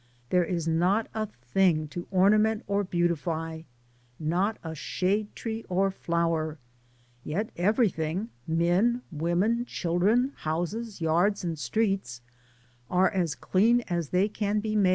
There is not a thing to ornament or beautify, not a shade tree or flower, yet everything — men, women, children, houses, yards and streets — are as clean as they can be made.